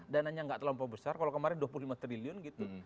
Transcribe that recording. dananya nggak terlampau besar kalau kemarin dua puluh lima triliun gitu